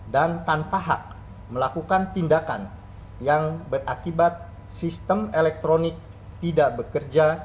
dan tanpa hak melakukan tindakan yang berakibat sistem elektronik tidak bekerja